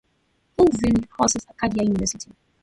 Wolfville houses Acadia University.